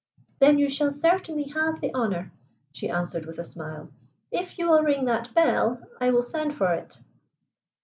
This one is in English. "Then you shall certainly have the honor," she answered with a smile. "If you will ring that bell I will send for it."